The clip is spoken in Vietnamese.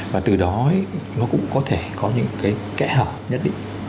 và từ đó nó cũng có thể có những cái kẽ hở nhất định